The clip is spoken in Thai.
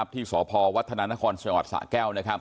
ที่สพวัฒนานครคสะแก้ว